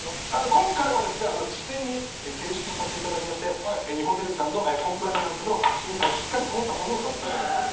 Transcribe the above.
今回は、事前に提出させていただきまして日本テレビさんのコンプライアンスの審査をしっかり通ったものをさせていただけると。